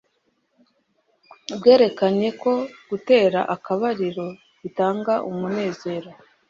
bwerekanye ko gutera akabariro bitanga umunezero